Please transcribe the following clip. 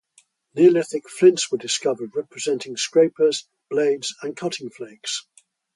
Neolithic flints were discovered, representing scrapers, blades and cutting flakes.